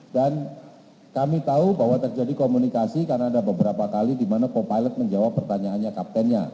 dan kami tahu bahwa terjadi komunikasi karena ada beberapa kali di mana co pilot menjawab pertanyaannya kaptennya